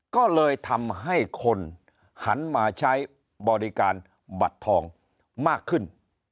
ก็เลยทำให้คนหันมาใช้บริการบัตรทองมากขึ้น